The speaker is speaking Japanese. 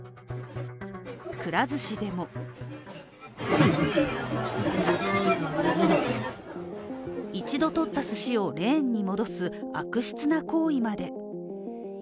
くら寿司でも一度とったすしをレーンに戻す悪質な行為まで。